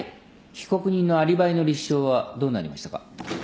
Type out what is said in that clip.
被告人のアリバイの立証はどうなりましたか？